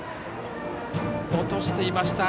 落としていました。